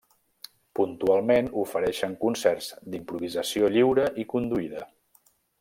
Puntualment ofereixen concerts d'improvisació lliure i conduïda.